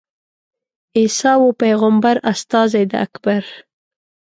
عیسی وو پېغمبر استازی د اکبر.